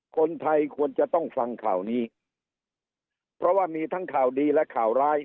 คนไทยควรจะต้องฟังข่าวนี้เพราะว่ามีทั้งข่าวดีและข่าวร้าย